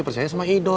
biru hitam hitam biru